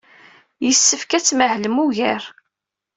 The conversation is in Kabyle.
Yessefk ad tmahlem ugar.